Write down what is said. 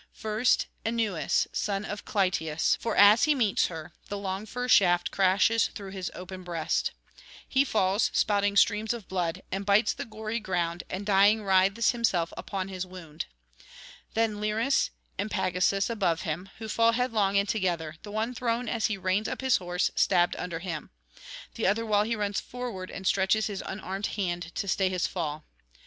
First Euneus, son of Clytius; for as he meets her the long fir shaft crashes through his open breast. He falls spouting streams of blood, and bites the gory ground, and dying writhes himself upon his wound. Then Liris and Pagasus above him; who fall headlong and together, the one thrown as he reins up his horse stabbed under him, the other while he runs forward and stretches his unarmed hand to stay his fall.